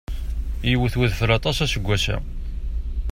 Yewwet udeffel aṭaṣ aseggas-a.